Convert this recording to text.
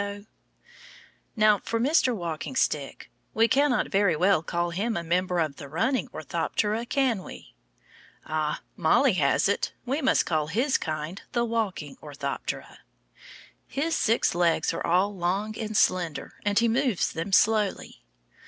Now for Mr. Walking Stick. We cannot very well call him a member of the Running Orthoptera, can we? Ah, Mollie has it. We must call his kind the Walking Orthoptera. His six legs are all long and slender, and he moves them slowly.